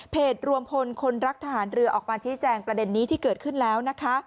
รวมพลคนรักทหารเรือออกมาชี้แจงประเด็นนี้ที่เกิดขึ้นแล้วนะคะ